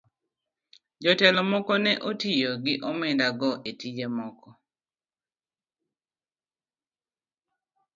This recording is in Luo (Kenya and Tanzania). Jotelo moko ne otiyo gi omenda go e tije moko.